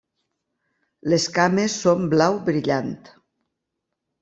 Les cames són blau brillant.